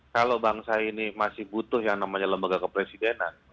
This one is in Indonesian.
kalau bangsa ini masih butuh yang namanya lembaga kepresidenan